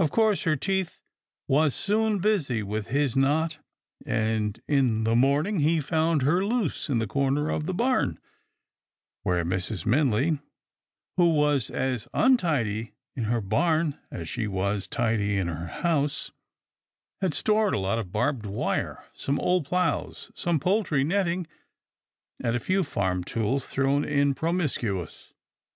Of course, her teeth was soon busy with his knot, and in the morn ing he found her loose in a corner of the barn, where Mrs. Minley, who was as untidy in her barn as she was tidy in her house, had stored a lot of barbed wire, some old ploughs, some poultry net ting, and a few farm tools thrown in promiscuous.